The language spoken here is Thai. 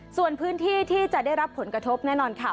ส่วนพื้นที่ที่จะได้รับผลกระทบแน่นอนค่ะ